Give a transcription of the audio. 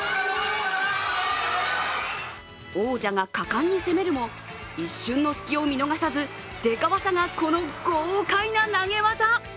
王者が果敢に攻めるも、一瞬の隙を見逃さずデカわさが、この豪快な投げ技。